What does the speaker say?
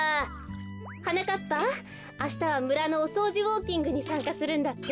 はなかっぱあしたはむらのおそうじウォーキングにさんかするんだって？